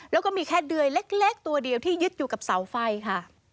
แล้วก็มีแค่เดื่อยเล็กตัวเดียวที่ยึดอยู่กับเสาไฟค่ะ